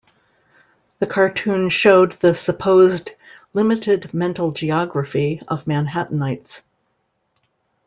The cartoon showed the supposed limited mental geography of Manhattanites.